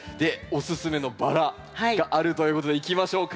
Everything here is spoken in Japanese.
おすすめのバラがあるということでいきましょうか。